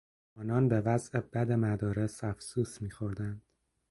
آنان به وضع بد مدارس افسوس میخوردند.